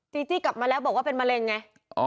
จีจี้กลับมาแล้วบอกว่าเป็นมะเร็งไง